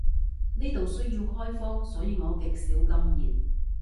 呢度需要開荒，所以我極少禁言